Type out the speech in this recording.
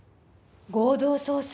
合同捜査。